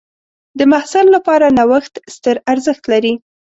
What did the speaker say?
د محصل لپاره نوښت ستر ارزښت لري.